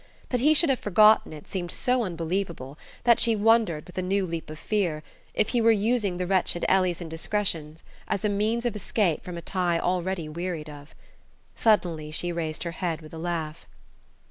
That he should have forgotten it seemed so unbelievable that she wondered, with a new leap of fear, if he were using the wretched Ellie's indiscretion as a means of escape from a tie already wearied of. Suddenly she raised her head with a laugh.